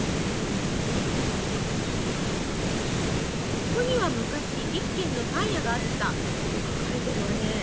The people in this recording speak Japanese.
「ここには昔１軒のパン屋があった」と書かれてるわね。